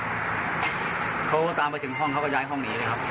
เขาตามไปถึงห้องเขาก็ย้ายห้องหนีเลยครับ